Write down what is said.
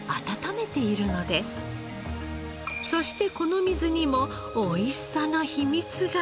そしてこの水にもおいしさの秘密が。